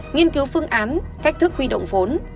nghiên cứu phương án cách thức huy động vốn